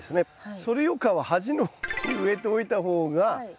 それよかは端の方に植えておいた方がいいという。